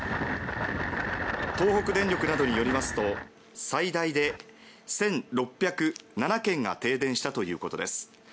東北電力などによりますと最大で１６０７軒が停電したということです。